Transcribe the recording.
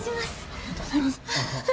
ありがとうございます。